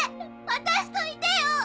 私といてよ！